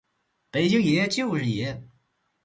北京爷，就是爷！